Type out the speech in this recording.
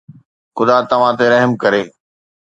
خدا توهان تي رحم ڪري